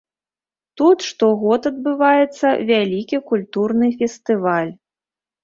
Тут штогод адбываецца вялікі культурны фестываль.